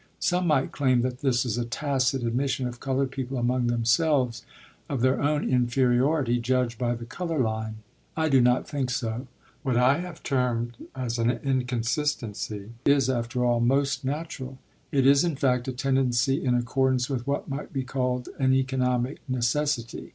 Some might claim that this is a tacit admission of colored people among themselves of their own inferiority judged by the color line. I do not think so. What I have termed an inconsistency is, after all, most natural; it is, in fact, a tendency in accordance with what might be called an economic necessity.